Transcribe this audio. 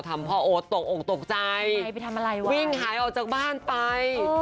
พ่อโอ๊ตตกอกตกใจไปทำอะไรวะวิ่งหายออกจากบ้านไป